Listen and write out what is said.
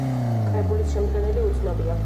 კრებულის შემდგენელი უცნობია.